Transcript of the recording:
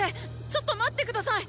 ちょっと待って下さい！